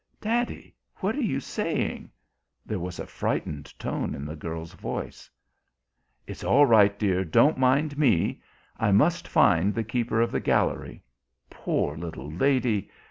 "Daddy, what are you saying?" There was a frightened tone in the girl's voice. "It's all right, dear, don't mind me. I must find the keeper of the gallery. Poor little lady!